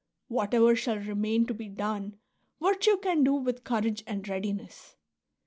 Whatever shall remain to be done virtue can do with courage and readiness.